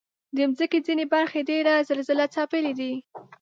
د مځکې ځینې برخې ډېر زلزلهځپلي دي.